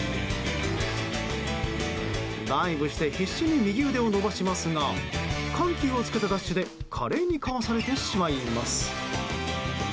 ダイブして必死に右腕を伸ばしますが緩急をつけたダッシュで華麗にかわされてしまいます。